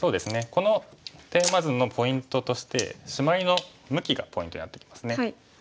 このテーマ図のポイントとしてシマリの向きがポイントになってきますね。